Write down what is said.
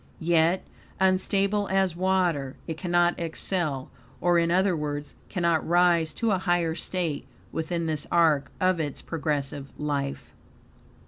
Yet, unstable as water, it cannot excel; or, in other words, cannot rise to a higher state within this are, of its progressive life.